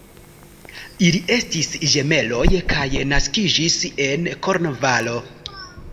Ili estis ĝemeloj kaj naskiĝis en Kornvalo.